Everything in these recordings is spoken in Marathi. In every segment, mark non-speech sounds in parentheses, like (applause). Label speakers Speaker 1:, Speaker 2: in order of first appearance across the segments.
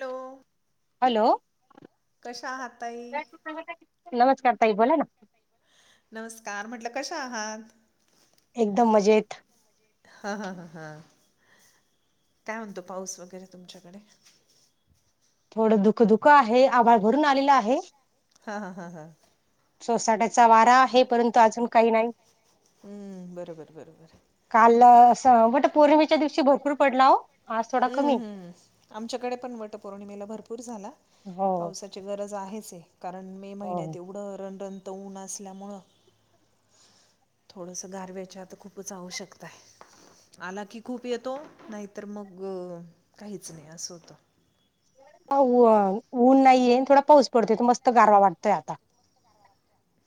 Speaker 1: हॅलो
Speaker 2: हॅलो
Speaker 1: कशा आहात ताई
Speaker 2: नमस्कार ताई बोला ना
Speaker 1: नमस्कार म्हटल कशा आहात
Speaker 2: एकदम मजेत
Speaker 1: हा हा हा हा काय म्हणतो पाऊस वगैरे तुमच्याकडे
Speaker 2: थोडं दुःख दुख आहे आभाळ भरून आलेला आहे
Speaker 1: हा हा हा हा
Speaker 2: सोसाट्याचा वारा आहे परंतु अजून काही नाही
Speaker 1: हम्म बरोबर बरोबर
Speaker 2: काल असं बट पौर्णिमेच्या दिवशी भरपूर पडला हो आज थोडा
Speaker 1: हम्म
Speaker 2: कमी
Speaker 1: हम्म आमच्याकडे पण वटपौर्णिमेला भरपूर झाला
Speaker 2: हो
Speaker 1: पावसाची गरज आहेच आहे कारण मे
Speaker 2: हो
Speaker 1: महिन्यात एवढं रण तऊ न असल्यामुळं थोडस गारवे्याच्या आता खूपच आवश्यकता आहे आला की खूप येतो नाहीतर मग काहीच नाही असं होत
Speaker 2: ऊन नाहीये थोडा पाऊस पडतोय तो मस्त गारवा वाटतय आता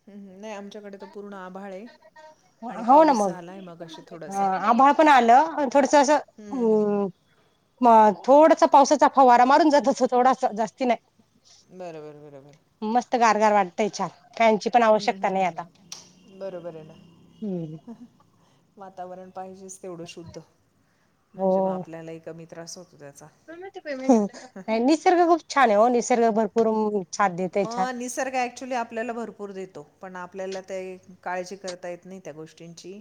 Speaker 1: हम् नाही आमच्याकडे तर पूर्ण आभाळ आहे आणि
Speaker 2: हो ना
Speaker 1: पाऊस झाला आहे मगाशी
Speaker 2: मग
Speaker 1: थोडासा.
Speaker 2: आभळ पण आलं थोडस असं
Speaker 1: हं, हं,
Speaker 2: हम् मग थोडासा पावसाचा अ फाव वारा मारून जात अस थोडासा जास्ती नाही
Speaker 1: बरोबर बरोबर
Speaker 2: त्याच्या काहीची पण
Speaker 1: हं,
Speaker 2: आवश्यकता
Speaker 1: हं,
Speaker 2: नाही आता
Speaker 1: हं. बरोबर आहे ना वातावरण पाहिजेच तेवढं शुद्ध म्हणजे मग
Speaker 2: हो
Speaker 1: आपल्यालाही कमी त्रास होत
Speaker 2: निसर्ग खूप छान आहे हो निसर्ग भरपूर साथ देते छान
Speaker 1: मग निसर्ग ऍक्च्युली आपल्याला भरपूर देतो पण आपल्याला ते काळजी करता येत नाही त्या गोष्टींची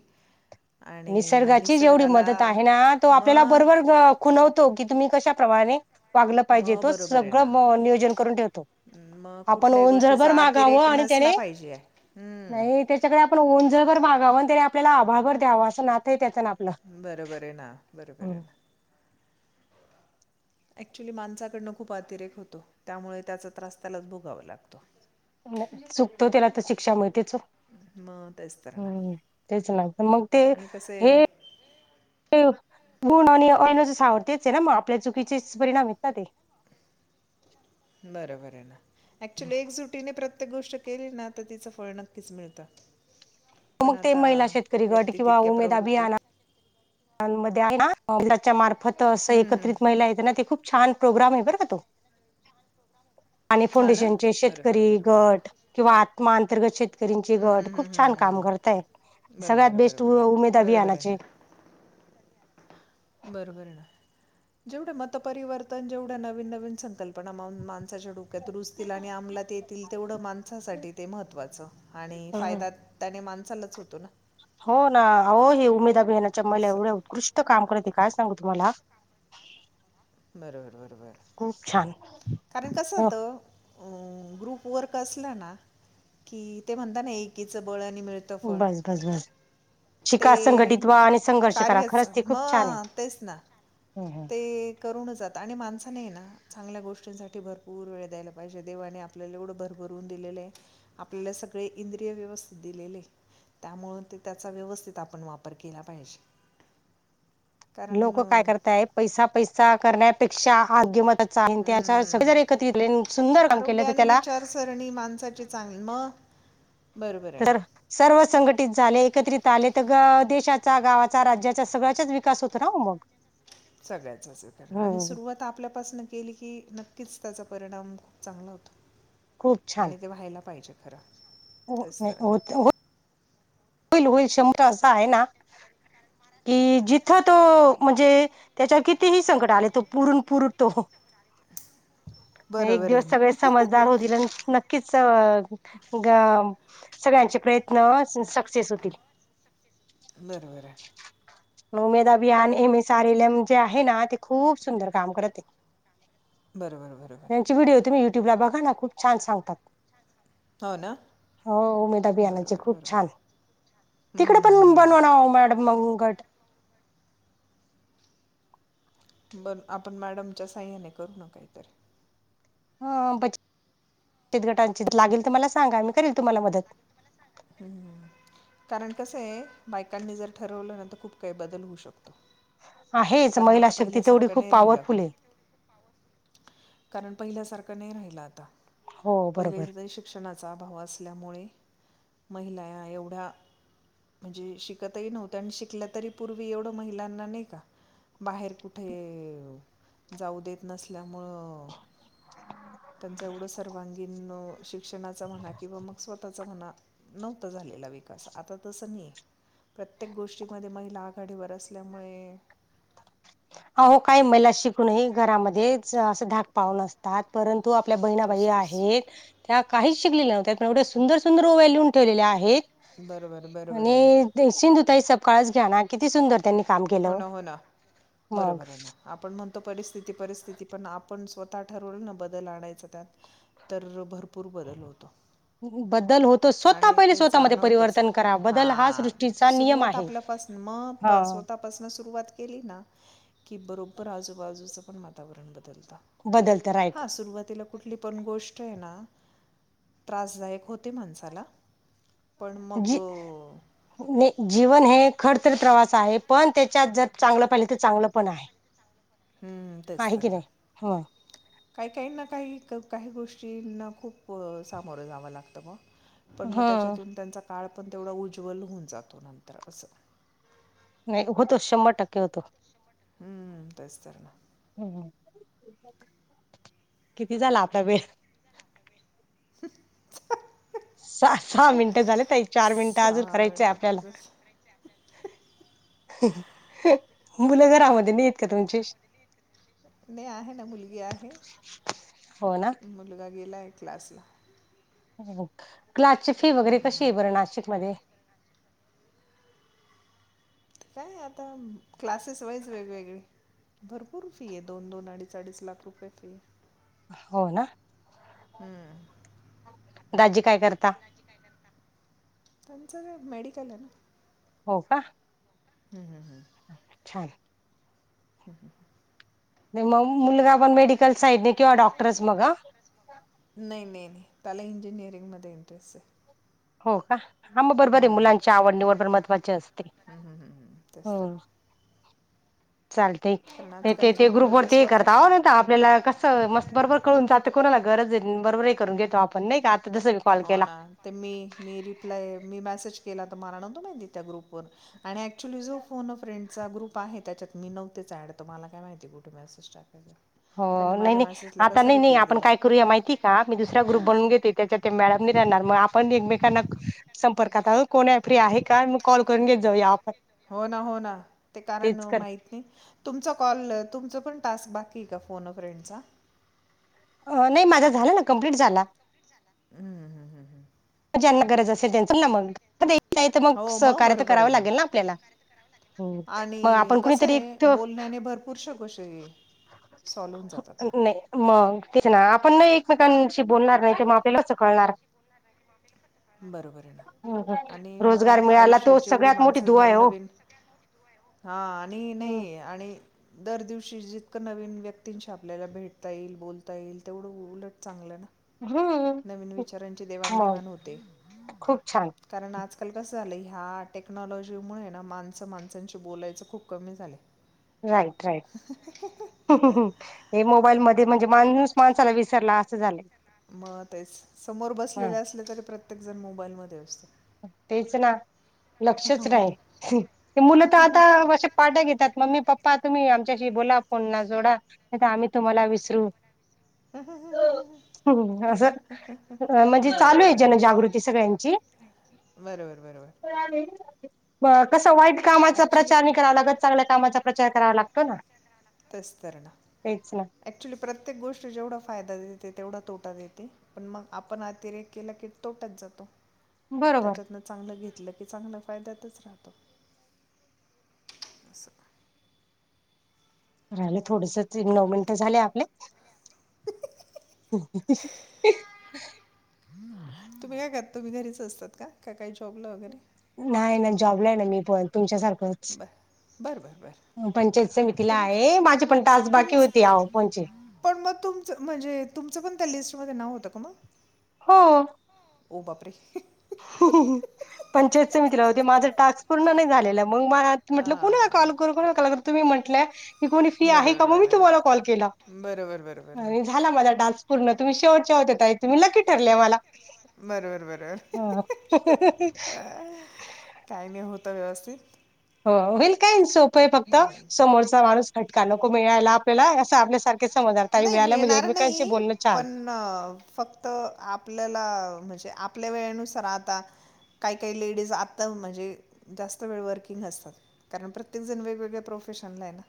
Speaker 1: आणि
Speaker 2: निसर्गाची जेवढी
Speaker 1: निसर्गाला
Speaker 2: मदत आहे ना तो आपल्याला बरोबर
Speaker 1: मग
Speaker 2: खुनवतो कि तुम्ही कशाप्रमाणे वागलं पाहिजे
Speaker 1: मग
Speaker 2: तो
Speaker 1: बरोबर आहे ना.
Speaker 2: सगळं नियोजन करून ठेवतो
Speaker 1: हम्म, मग
Speaker 2: आपण
Speaker 1: कुठल्याही
Speaker 2: ओंझरभर
Speaker 1: गोष्टीचा
Speaker 2: मागावं
Speaker 1: अतिरेक
Speaker 2: आणि
Speaker 1: नसला
Speaker 2: त्याने
Speaker 1: पाहिजे हम्म.
Speaker 2: नाही त्याच्याकडे आपण ओंझ मागा आपल्याला आभाघर द्यावां असं ना आपलं
Speaker 1: बरोबर आहे ना बरोबर आहे ना अऍक्च्युली माणसाकडनं खूप अतिरेक होतो त्यामुळे त्याचा त्रास त्यालाच भोगावा लागतो
Speaker 2: चुकतो त्याला तर शिक्षा मिळतो च्
Speaker 1: मग तेच तर ना
Speaker 2: तेच नाही मग ते
Speaker 1: आणि कसं
Speaker 2: हे
Speaker 1: आहे
Speaker 2: हो गुण आणि अणज सावडतेच आहे ना मग आपल्या चुकीचेच परिणाम आहेत ना ते
Speaker 1: बरोबर आहे ना ऍक्च्युली एकजुटीने प्रत्येक गोष्ट केले ना तर तिचं फळ नक्कीच मिळतं पण
Speaker 2: मग ते
Speaker 1: आता
Speaker 2: महिला शेतकरी गट
Speaker 1: व्यक्ती
Speaker 2: किंवा
Speaker 1: तितक्या
Speaker 2: उमेद
Speaker 1: प्रवृत्ती
Speaker 2: अभियाना त्याच्या मार्फत अस
Speaker 1: हम्म, हम्म. हम्म.
Speaker 2: एकत्रित महिला येत ना ते खूप छान प्रोग्राम आहे बरोबर तो पाणी
Speaker 1: हा ना
Speaker 2: फाउंडेशनचे
Speaker 1: बरोबर
Speaker 2: शेतकरी
Speaker 1: बरोबर
Speaker 2: गट किंवा आत्मा अंतर्गत शेतकरी शेतकरींचे
Speaker 1: हम्म,
Speaker 2: गट
Speaker 1: हम्म, हम्म.
Speaker 2: खूप छान काम करतय
Speaker 1: हम्म.
Speaker 2: सगळ्यात
Speaker 1: बरोबर
Speaker 2: बेस्ट
Speaker 1: बरोबर
Speaker 2: उमेद
Speaker 1: बरोबर आहे
Speaker 2: अभियानाचे
Speaker 1: ना बरोबर ना जेवढ मतपरिवर्तन जेवढ नवीन नवीन संकल्पना मा माच्या डोक्यात रुजतील आणि आमलात येतील तेवढं माणसासाठी ते महत्त्वाचं आणि फायद्या त्याने माणसालाच होतो ना
Speaker 2: हो ना हे उमेदा अ बिनाच्या मला
Speaker 1: असं.
Speaker 2: एवढे उत्कृष्ट काम करते काय सांगू तुम्हाला
Speaker 1: बरोबर बरोबर
Speaker 2: खूप छान
Speaker 1: कारण कस
Speaker 2: हो
Speaker 1: होतो अ ग्रुप वर्क असला ना की ते म्हणत ना एकीच बळ आणि मिळतं फळ."
Speaker 2: बस बस बस
Speaker 1: ते
Speaker 2: शिका संघटित व्हा आणि संघर्ष करा
Speaker 1: कार्यच
Speaker 2: खरंच ते खूप छान
Speaker 1: मग तेच ना
Speaker 2: आहे हम्म हम्म.
Speaker 1: ते करून जात आणि माण नाही ना चांगल्या गोष्टींसाठी भरपूर वेळ द्यायला पाहिजे देवाने आपल्याला एवढं भरभरवून दिलेलं आहे आपल्याला सगळे इंद्रिय व्यवस्थित दिलेले त्यामुळे ते त्याचा व्यवस्थित आपण वापर केला पाहिजे कारण
Speaker 2: लोक काय
Speaker 1: अं,
Speaker 2: करताय पैसा पैसा करण्यापेक्षा आगीम
Speaker 1: हम्म
Speaker 2: सुंदर काम केलं
Speaker 1: आरोग्या
Speaker 2: तर
Speaker 1: आणि
Speaker 2: त्याला
Speaker 1: विचारसरणी माणसाची चांगली मग (unintelligible) आहे ना
Speaker 2: तर सर्व संघटित झाले एकत्रित आले तर देशाचा गावाचा राज्याचा सगळ्याचाच विकास होतो ना उमग
Speaker 1: सगळ्याचचण आणि सुरुवात आपल्यापासन केली की नक्कीच त्याचा परिणाम खूप चांगला होता आणि ते व्हायला पाहिजे खरं
Speaker 2: हो
Speaker 1: तेच तर ना
Speaker 2: होत हो होईल होईल शंभर असं आहे ना
Speaker 1: तर
Speaker 2: कि जिथं तो म्हणजे त्याच्यावर कितीही संकट आले तो पुरून पुर तो
Speaker 1: आती
Speaker 2: एक दिवस सगळे समजदार होतील आणि नक्कीच अ सगळ्यांचे प्रयत्न सक्सेस होतील
Speaker 1: बरोबर आहे
Speaker 2: उमेद अभियान
Speaker 1: कारण
Speaker 2: M S R L M जे आहे ना ते खूप सुंदर काम करत आहे
Speaker 1: बरोबर बरोबर
Speaker 2: ्यूब बघा ना खूप छान सांगतात
Speaker 1: हो ना
Speaker 2: हो उमेदा अभियानाचे
Speaker 1: बरोबर
Speaker 2: खूप
Speaker 1: बरोबर
Speaker 2: छान
Speaker 1: हम्म,
Speaker 2: तिकडे
Speaker 1: हम्म, हम्म,
Speaker 2: पण
Speaker 1: हम्म.
Speaker 2: बनव मॅडम मगट
Speaker 1: बण आपण मॅडमच्या सह्याने करू नकाहीतरी
Speaker 2: हेत गटांचे लागेल तर मला सांगा मी करेल तुम्हाला मदत
Speaker 1: हम् कारण कसं आहे बायकांनी जर ठरवलं नंतर खूप काही बदल होऊ शकतो
Speaker 2: आहेच
Speaker 1: कारण
Speaker 2: महिला
Speaker 1: आता
Speaker 2: शक्ती तेवढी
Speaker 1: पहिल्यासारखं
Speaker 2: खूप
Speaker 1: नाही राहिलं
Speaker 2: पॉवरफुल आहे
Speaker 1: कारण पहिल्यासारखं नाही राहिलं आता
Speaker 2: हो
Speaker 1: पहिले
Speaker 2: बरोबर
Speaker 1: तरी शिक्षणाचा अभाव असल्यामुळे महिलाया एवढा म्हणजे शिकतही नव्हत आणि शिकला तरी पूर्वी एवढं महिलांना नाही का बाहेर कुठे जाऊ देत नसल्यामुं त्यांच एवढं सर्वांगीण शिक्षणाचा म्हणा किंवा मग स्वतःचा म्हणा नव्हत झालेला विकास आता तस नाही प्रत्येक गोष्टीमध्ये महिला आघाडीवर असल्यामुळे
Speaker 2: ह हो काही महिला शिकूनही घरामध्ये अस धाक पाव न असतात परंत तो आपल्या बहिणाबाई
Speaker 1: तोच तोच
Speaker 2: आहे त्या काहीच शिकलेल्या नव्हत त्यात एवढ्या सुंदर सुंदर ओवॅ ल्यून ठेवल्या आहेत
Speaker 1: बरोबर बरोबर आहे ना
Speaker 2: आणि शिंधुताई सकाळच घ्या ना किती सुंदर त्यांनी काम
Speaker 1: हो
Speaker 2: केलं
Speaker 1: ना हो ना
Speaker 2: मग
Speaker 1: बरोबर आहे ना आपण ण परि परिथि पण आपण स्वतः ठ बदल आणा त्या भरपर पूर बदल होतो
Speaker 2: बदल होतो स्वतः
Speaker 1: आणि
Speaker 2: पहिले
Speaker 1: ते
Speaker 2: स्वतःमध्ये
Speaker 1: जाणवतेच
Speaker 2: परिवर्तन करा
Speaker 1: हा
Speaker 2: बदल सृष्टीचा नियम
Speaker 1: सुरुवात
Speaker 2: आहे
Speaker 1: आपल्यापास मा
Speaker 2: हा
Speaker 1: सोता प वात के की बरोबर आजूबाजूच पण वातावरण बदल
Speaker 2: बदलत राईट
Speaker 1: कुठली पण गोष्ट आहे ना त्रासदायक होते माणसाला पण मग
Speaker 2: जी
Speaker 1: अ,
Speaker 2: जीवन है खडतरी प्रवास आहे पण त्याच्यात जर चांगलं पाहिले तर चांगलं पण आहे
Speaker 1: हम्म तेच
Speaker 2: आहे
Speaker 1: तर
Speaker 2: की
Speaker 1: ना
Speaker 2: नाही ह
Speaker 1: काही काही ना काही काही गोष्टींना खूप सामोरं जावं लागतं मग पण मग
Speaker 2: ह
Speaker 1: त्याच्यातून त्यांचा काळ पण तेवढा उज्ज्वल होऊन जातो नंतर असं
Speaker 2: नाही होतो शंभर टक्के होतो
Speaker 1: हम्म तेच तरर ना
Speaker 2: किती झाला आता वेळ
Speaker 1: (inaudible)
Speaker 2: स सहा मिनटं झाले त एक चार मिनिटं अजून करायचंय आपल्याला
Speaker 1: साडेआठच
Speaker 2: मुलं घरामध्ये नाहीेत का तुमची
Speaker 1: नाही आहे ना मुलगी आहे
Speaker 2: हो ना
Speaker 1: मुलगा गेला आहे क्लासला
Speaker 2: ग्लासची फी वगैरे कशी आहे बरं नाशिक मध्ये
Speaker 1: काय आता क्लासेस व्हाईच वेगवेगळे भरपूर फी आहे दोन दोन अडीच अडीच लाख रुपये फी
Speaker 2: होना
Speaker 1: हम्म
Speaker 2: दाजी काय करता
Speaker 1: त्यांचं मेडिकल आहे ना
Speaker 2: हो का
Speaker 1: हम् हम हम
Speaker 2: छान
Speaker 1: हम् हम् ह
Speaker 2: मग मुलगा पण मेडिकल साईड किंवा डॉक्टरच मग
Speaker 1: नाही, नाही, नाही. त्याला इंजिनिअरिंगमध्ये इंटरेस्ट आहे
Speaker 2: हो का हां मग बरोबर आहे
Speaker 1: हम्म.
Speaker 2: मुलांच्या आवड निवरबर महत्त्वाचे असते
Speaker 1: हम्म हम्म हम्म हम्म तेच तर
Speaker 2: हम चालत
Speaker 1: कारण
Speaker 2: ते
Speaker 1: आजकालच्या
Speaker 2: ते ग्रुप
Speaker 1: मुलं
Speaker 2: वरती
Speaker 1: स्वतः
Speaker 2: करता आह ना आपल्याला कसं मस्त बरोबर कळून जातं कोणाला गरज आहे बरोबरही करून घेतो आपण नाही का जसं मी कॉल
Speaker 1: हो
Speaker 2: केला
Speaker 1: ना ते मी मी रिप्लाय मी मेसेज केला तर मला नंदो माहिती त्या ग्रुप व आणि ऍक्च्युली जो फोन फ्रेंडचा ग्रुप आहे त्याच्यात मी नव्हतेचचायड तर मला काय माहिती कुठे म असंच टाकायचं
Speaker 2: हो नाही नाही आता नाही नाही आपण
Speaker 1: दिला
Speaker 2: काय करूया माहिती का मी दुसरा्या ग्रुप बनून घेते त्याच्या मळा णार मग आपण एकमेकांना संपर्कात आह कोणी फ्री आहे का मग कॉल करून घेत जाऊ या
Speaker 1: हो ना हो ना ते कारण
Speaker 2: करते
Speaker 1: माहत नाही तुमचा कॉल तुमच पण टास्क बाकी आहे का फोन फ्रेंडचा
Speaker 2: नाही माझा झाला ना कमप्लीट झाला
Speaker 1: हम्म हम्म हम्म
Speaker 2: ग ज्यांना
Speaker 1: हम्म
Speaker 2: गरज
Speaker 1: बरोबर
Speaker 2: असेल त्यांच ना मग तर मग
Speaker 1: हो
Speaker 2: सहकार्य तर
Speaker 1: बरोबर
Speaker 2: करावं
Speaker 1: आहे
Speaker 2: लागेल ना आपल्याला मग
Speaker 1: आणि
Speaker 2: आपण
Speaker 1: कस
Speaker 2: कुणीतरी
Speaker 1: आहे
Speaker 2: एक
Speaker 1: बोलण्याने भरपूर शकोश हे
Speaker 2: नाही मग तेच ना आपण नाही एकमेकांशी बोलणार नाही ते मा आपेलाच कळणार
Speaker 1: बरोबर आहे ना आणि
Speaker 2: रोजगार
Speaker 1: मुळात
Speaker 2: मिळाला
Speaker 1: आयुष्यात
Speaker 2: तो
Speaker 1: जेवढी
Speaker 2: सगळ्यात मोठी
Speaker 1: माणसं
Speaker 2: दुआ आहे हो
Speaker 1: नवीनवीन हा आणि नाही आणि दर दिवशी जितकं नवीन व्यक्तींशी आपल्याला भेटता येईल बोलता येईल तेवढं उलट चांगलं ना
Speaker 2: हम्म
Speaker 1: नवीन विचारांची
Speaker 2: मग
Speaker 1: देवाणघेवाण होते
Speaker 2: खूप छान
Speaker 1: कारण आज आजकाल कसं झालं ह्या टेक्नॉलॉजी मु ना माणसं माणसांशी बोलायचं खूप कमी झाले
Speaker 2: राईट राईट ह हे मोबाईल मध्ये म्हणजे माणूस माणसाला विसरला असं झालंय
Speaker 1: मग तेच समोर
Speaker 2: हा
Speaker 1: बसलेले असले तरी प्रत्येक जण मोबाईल मध्ये असतो
Speaker 2: तेच ना लक्षच रा मुलं तर आता अशा पाट्या घेतात मम्मी पप्पा ्पा तुम्ही आमच्याशी बोला फोनना जोडा आम्ही तुम्हाला विसरू
Speaker 1: हम हम हम ह
Speaker 2: हम् असं म्हणजे चालू
Speaker 1: बरोबर
Speaker 2: आहे
Speaker 1: ना
Speaker 2: जनजागृती सगळ्यांची
Speaker 1: बरोबर बरोबर
Speaker 2: म कस वाईट कामाचा
Speaker 1: ॲक्च्युली
Speaker 2: प्रचार नाही करावा लागत चांगल्या कामाचा प्रचार करावा लागतो ना
Speaker 1: तेचतरणा
Speaker 2: तेच ना
Speaker 1: क्चुली प्रत्येक गोष्टी जेवढा फायदा देते तेवढा तोटात येते पण मग आपण अतिरेक केला की तोटच
Speaker 2: बरोबर
Speaker 1: त्याच्यातन चांगलं घेत म्हटलं की चांगल्या फायद्यातच राहतो
Speaker 2: राहिले थोडस नऊ मिनटं झाले आपले (unintelligible)
Speaker 1: तुम्ही काय कर तुम्ही घरीच असतात का का काही जॉबला वगैरे
Speaker 2: नाही ना जॉबला आहे ना मी प तुमच्यासारखंच
Speaker 1: बरं बरं बरं बरं
Speaker 2: पंचायत समितीला
Speaker 1: तुमचं
Speaker 2: आहे माझी पण तासबाकी होती आ
Speaker 1: तुमचं
Speaker 2: कोणची
Speaker 1: पण मग तुमचं म्हणजे तुमचं पण त्या लिस्टमध्ये नाव होतं का मग
Speaker 2: हा
Speaker 1: बापरे
Speaker 2: पंचायत मित्र होते माझ टास्क पूर्ण नाही झालेला मग म म्हटलं कुणा
Speaker 1: हां
Speaker 2: कॉल करू कोणा कल तुम्ही म्हटलं मी कोणी फ्री आहे का मग
Speaker 1: बरोबर
Speaker 2: मी
Speaker 1: बरं
Speaker 2: तुम्हाला कॉल केला
Speaker 1: बरोबर बरोबर बरोबर
Speaker 2: आणि झाला मला डान्स पूर्ण तुम्हीेवटच्या होत्या तुम्हीक्की ठरलेय मला
Speaker 1: बरोबर बरबर
Speaker 2: हा
Speaker 1: ता वी
Speaker 2: वेलकाय सोप फक्त समोरचा माणूस खटका नको मिळायला आपल्याला असं आपल्यासारख
Speaker 1: नाही मिळणार नाही
Speaker 2: छान
Speaker 1: पण फक्त आपल्याला म्हणजे े आपल्या वेळेनुसार आता काही काही लेडीज आ म्हणजे जास्त वे वर्किंग असतात कारण प्रत्येकण वेगवेगळे प्र प्रफेशनला आहे ना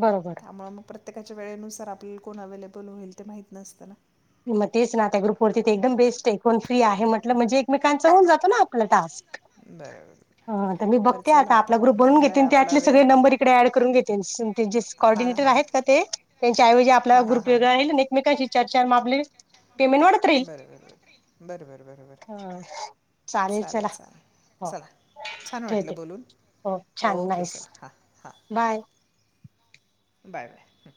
Speaker 2: बरोबर
Speaker 1: त्यामुळे मग प्रत्येकाच्या वेळेनुसार आपल्याला कोण अव्हेलेबल होईल ते माहित नसतना
Speaker 2: मग तेच ना त्या ग्रुपवरती ते एकदम बेस्ट एकण फ्री आहे म्हटलं म्हणजे एकमेकांचा होन जातो ना आपला टास्क
Speaker 1: बर
Speaker 2: ह तर मी बघते आता आपला ग्रुप बनून
Speaker 1: झाला आहे
Speaker 2: घेतेन
Speaker 1: आपला
Speaker 2: त्यातले
Speaker 1: वेळ
Speaker 2: सगळे नंबर इकडे ऍड करून घेतेनॉ
Speaker 1: हां
Speaker 2: ऑर्डिनेटर
Speaker 1: हां
Speaker 2: आहेत का ते त्यांच्या ऐवजी आपला
Speaker 1: हां हां
Speaker 2: ग्रुप वगं आहे एकमेकांशी चर्चा पेमेंट वाढत राहील.
Speaker 1: बरबर बरोबर बरोबर
Speaker 2: ह
Speaker 1: चालेल चालेल
Speaker 2: हो
Speaker 1: चला छान वाटलं
Speaker 2: ठेवते
Speaker 1: बोलून
Speaker 2: हो छान
Speaker 1: ओके
Speaker 2: नाहीस
Speaker 1: चला हां हां हां
Speaker 2: बाय
Speaker 1: बाय बाय